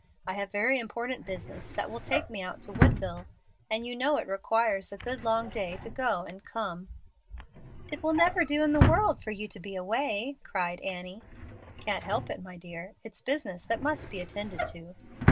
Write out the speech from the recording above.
I have very important business that will take me out to Woodville, and you know it requires a good long day to go and come." "It will never do in the world for you to be away," cried Annie. "Can't help it, my dear; it's business that must be attended to."